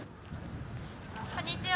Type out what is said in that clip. こんにちは。